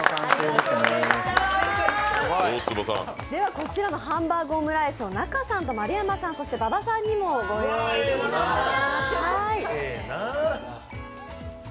こちらのハンバーグオムライスと仲さんと丸山さんそして馬場さんにもご用意しました。